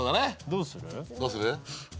どうする？